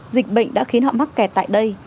dịch bệnh đã khiến họ mắc kẹt tại đây